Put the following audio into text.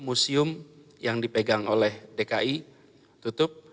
museum yang dipegang oleh dki tutup